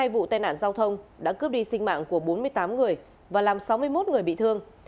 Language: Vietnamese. hai vụ tai nạn giao thông đã cướp đi sinh mạng của bốn mươi tám người và làm sáu mươi một người bị thương